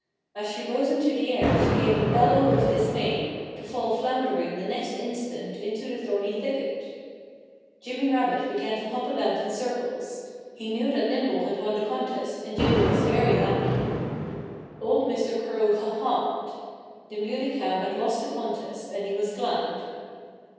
As she rose into the air she gave a bellow of dismay, to fall floundering the next instant into the thorny thicket. Jimmy Rabbit began to hop about in circles. He knew that Nimble had won the contest and Jimmy was very happy. Old Mr. Crow haw hawed. The Muley Cow had lost the contest and he was glad.